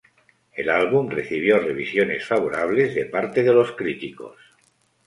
El álbum recibió revisiones favorables de parte de los críticos.